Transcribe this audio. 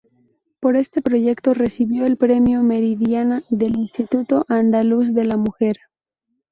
Por este proyecto recibió el Premio Meridiana del Instituto Andaluz de la Mujer.